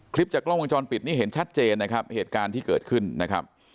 จากกล้องวงจรปิดนี่เห็นชัดเจนนะครับเหตุการณ์ที่เกิดขึ้นนะครับ